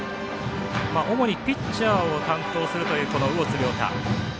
主にピッチャーを担当するという魚津颯汰。